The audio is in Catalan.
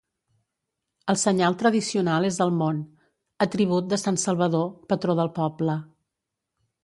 El senyal tradicional és el món, atribut de sant Salvador, patró del poble.